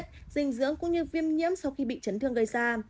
dinh dưỡng cũng như viêm nhiễm sau khi bị chấn thương gây ra